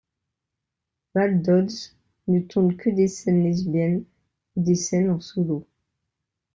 Val Dodds ne tourne que des scènes lesbiennes ou des scènes en solo.